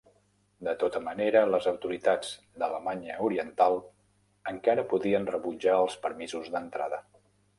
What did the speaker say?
De tota manera, les autoritats d'Alemanya Oriental encara podien rebutjar els permisos d'entrada.